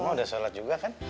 emang udah sholat juga kan